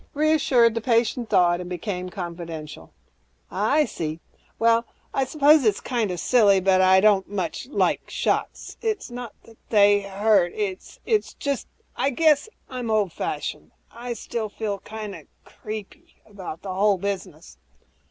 Reassured, the patient thawed and became confidential, "I see. Well, I suppose it's kinda silly, but I don't much like shots. It's not that they hurt ... it's just that I guess I'm old fashioned. I still feel kinda 'creepy' about the whole business."